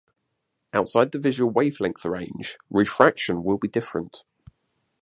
Outside the visual wavelength range, refraction will be different.